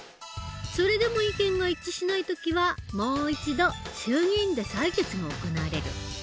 それでも意見が一致しない時はもう一度衆議院で採決が行われる。